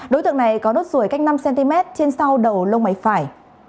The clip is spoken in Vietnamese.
đối tượng này có nốt ruồi cách năm cm trên sau đầu lông mày phải